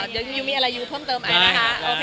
เดี๋ยวยูมีอะไรยูเพิ่มเติมไอนะคะ